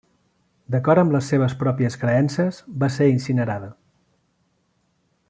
D'acord amb les seves pròpies creences, va ser incinerada.